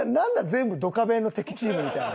全部『ドカベン』の敵チームみたいな。